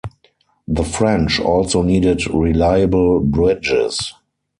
The French also needed reliable bridges.